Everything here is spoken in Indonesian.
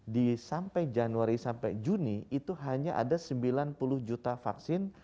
di sampai januari sampai juni itu hanya ada sembilan puluh juta vaksin